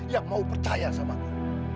yang mau percaya padaku